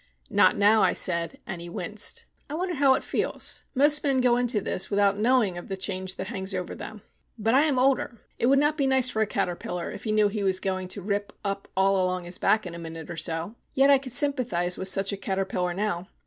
"Not now," I said. And he winced. "I wonder how it feels. Most men go into this without knowing of the change that hangs over them. But I am older. It would not be nice for a caterpillar if he knew he was going to rip up all along his back in a minute or so. Yet I could sympathise with such a caterpillar now.